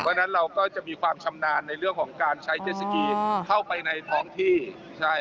เพราะฉะนั้นเราก็จะมีความชำนาญในเรื่องของการใช้เจสสกีเข้าไปในท้องที่ใช่